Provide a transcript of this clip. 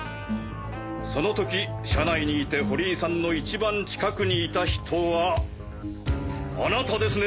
その時車内にいて堀井さんの一番近くにいた人はあなたですね！？